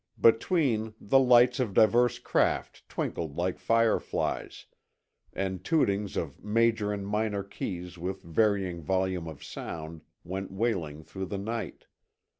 Between, the lights of divers craft twinkled like fireflies, and tootings of major and minor keys with varying volume of sound went wailing through the night.